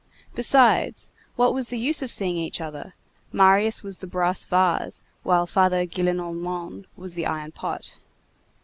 Besides, what was the use of seeing each other? Marius was the brass vase, while Father Gillenormand was the iron pot.